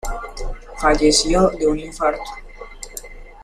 Falleció de un infarto.